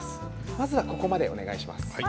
まずはここまでお願いします。